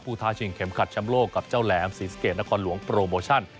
ท้าชิงเข็มขัดแชมป์โลกกับเจ้าแหลมศรีสะเกดนครหลวงโปรโมชั่น